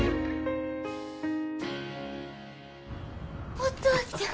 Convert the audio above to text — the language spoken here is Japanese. お父ちゃん。